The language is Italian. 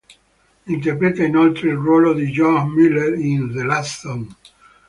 Interpreta, inoltre, il ruolo di Jonah Miller in "The Last Song".